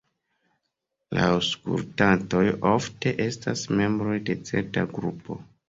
La aŭskultantoj ofte estas membroj de certa grupo.